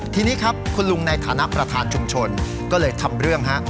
ทีนี้ครับคุณลุงในฐานะประธานชุมชนก็เลยทำเรื่องฮะ